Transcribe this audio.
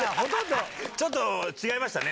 ちょっと違いましたね。